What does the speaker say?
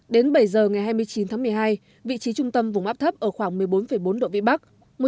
đến bảy giờ ngày hai mươi chín tháng một mươi hai vị trí trung tâm vùng áp thấp ở khoảng một mươi bốn bốn độ vĩ bắc